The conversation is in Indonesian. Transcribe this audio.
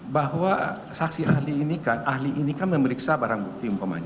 bahwa saksi ahli ini kan ahli ini kan memeriksa barang bukti umpamanya